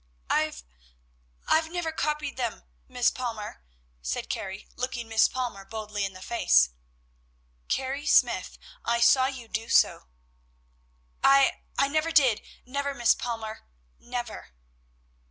"I've I've never copied them, Miss Palmer," said Carrie, looking Miss Palmer boldly in the face. "Carrie Smyth, I saw you do so!" "I I never did, never, Miss Palmer. _Never!